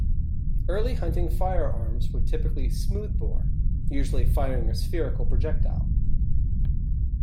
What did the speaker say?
Early hunting firearms were typically smoothbore, usually firing a spherical projectile.